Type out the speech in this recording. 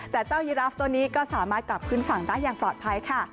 แต่เจ้ายีราฟตัวนี้ก็สามารถกลับขึ้นฝั่งได้อย่างปลอดภัยค่ะ